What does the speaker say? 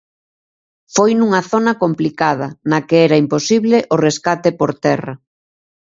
Foi nunha zona complicada, na que era imposible o rescate por terra.